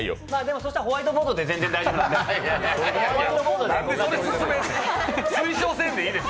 そうしたらホワイトボードで全然大丈夫です。